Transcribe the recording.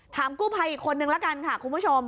กู้ภัยอีกคนนึงละกันค่ะคุณผู้ชม